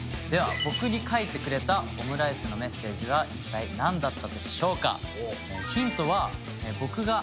では僕にかいてくれたオムライスのメッセージは一体何だったでしょうか？